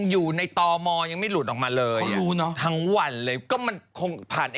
มีบ่อยแล้วหรอ